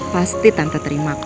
pasti tante terima kok ya